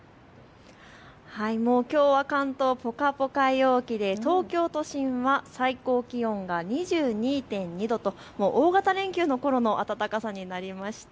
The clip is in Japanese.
きょうは関東ぽかぽか陽気で東京都心は最高気温が２２．２度と大型連休のころの暖かさになりました。